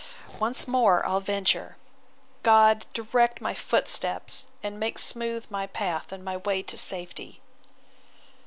Once more I'll venture. God direct my footsteps, and make smooth my path and my way to safety!